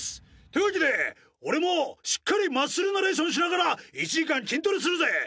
というわけで俺もしっかりマッスルナレーションしながら１時間筋トレするぜ！